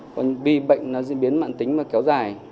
còn vì bệnh nó diễn biến mạng tính và kéo dài